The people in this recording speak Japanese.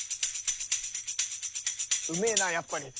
うめえなやっぱり。